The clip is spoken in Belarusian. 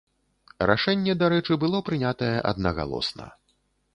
Рашэнне, дарэчы, было прынятае аднагалосна.